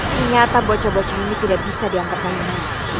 ternyata bocah bocah ini tidak bisa diangkat lagi